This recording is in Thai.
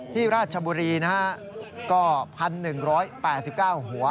ที่พระอาทิบุรีก็๑๑๘๙หัว